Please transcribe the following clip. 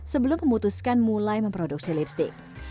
sebelum memutuskan mulai memproduksi lipstick